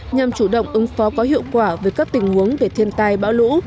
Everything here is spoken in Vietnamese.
nhằm chủ động ứng phó có hiệu quả với các tình huống về thiên tai bão lũ